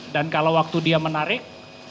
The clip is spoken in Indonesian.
kalau waktu dia menarik